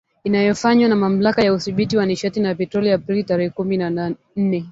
Inayofanywa na Mamlaka ya Udhibiti wa Nishati na Petroli Aprili tarehe kumi na nne.